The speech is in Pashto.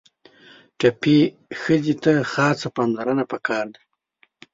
ټپي ښځې ته خاصه پاملرنه پکار ده.